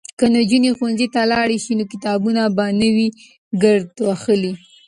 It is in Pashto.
که نجونې ښوونځي ته لاړې شي نو کتابونه به نه وي ګرد وهلي.